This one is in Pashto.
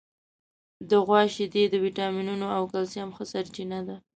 د غوا شیدې د وټامینونو او کلسیم ښه سرچینه ده.